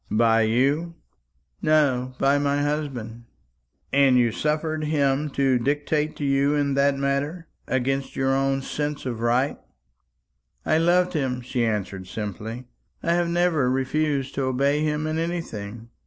"By you?" "No; by my husband." "And you suffered him to dictate to you in that matter. Against your own sense of right?" "I loved him," she answered simply. "I have never refused to obey him in anything.